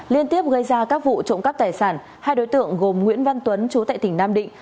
liên tiếp gây ra các vụ trộm cắp tài sản hai đối tượng gồm nguyễn văn tuấn chú tại tỉnh nam định